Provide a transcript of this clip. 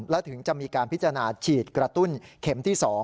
และถึงจะมีการพิจารณาฉีดกระตุ้นเข็มที่๒